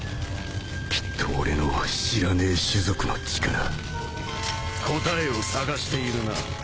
きっと俺の知らねえ種族の力答えを探しているな。